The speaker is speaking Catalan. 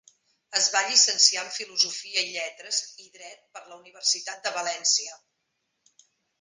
Es va llicenciar en Filosofia i Lletres i Dret per la Universitat de València.